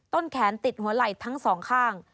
ต้นแขนติดหัวไหล่ทั้งสองข้าง